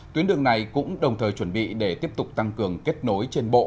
tuyến đường này cũng đồng thời chuẩn bị để tiếp tục tăng cường kết nối trên bộ